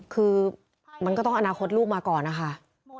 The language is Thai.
คือมันก็ต้องอนาคตลูกมาก่อนนะคะ